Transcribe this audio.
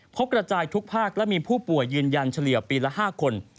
กระจายทุกภาคและมีผู้ป่วยยืนยันเฉลี่ยปีละ๕คน